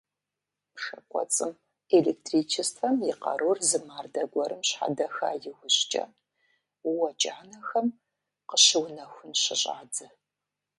Пшэ кӏуэцӏым электричествэм и къарур зы мардэ гуэрым щхьэдэха иужькӏэ, уэ кӏанэхэм къыщыунэхун щыщӏадзэ.